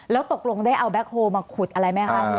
แล้วตกลงได้เอาแบ็คโฮลมาขุดอะไรไหมคะ